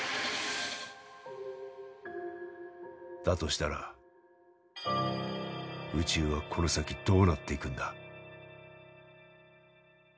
だとしたら宇宙はこの先どうなっていくんだ？